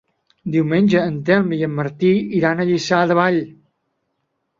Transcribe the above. Diumenge en Telm i en Martí iran a Lliçà de Vall.